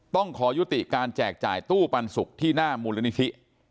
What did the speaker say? ต้องขอยุติการแจกจ่ายตู้ปันสุกที่หน้ามูลนิธิ